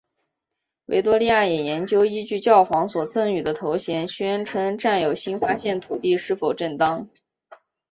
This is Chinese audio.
维多利亚也研究依据教皇所赠与的头衔宣称占有新发现土地是否正当。